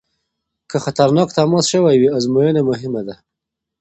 که خطرناک تماس شوی وي ازموینه مهمه ده.